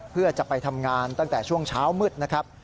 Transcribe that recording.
เพื่อจะไปทำงานตั้งแต่ช่วงเช้ามืดนะครับ